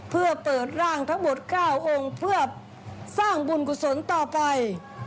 เอาองค์เพื่อสร้างบุญกุศลต่อไป